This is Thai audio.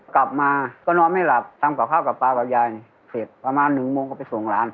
กลับมาก็นอนไม่หลับทำกับข้าวกับปลากับยายเสร็จประมาณหนึ่งโมงก็ไปส่งหลาน